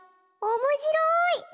おもしろい！